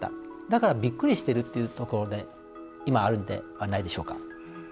だからびっくりしてるっていうところで今、あるのではないでしょうか。